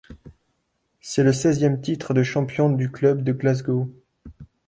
C’est le seizième titre de champion du club de Glasgow.